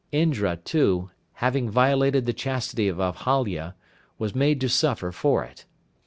Indra, too, having violated the chastity of Ahalya, was made to suffer for it.